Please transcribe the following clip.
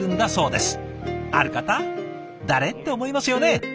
誰？って思いますよね。